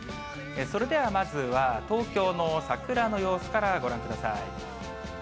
それでは、まずは東京の桜の様子からご覧ください。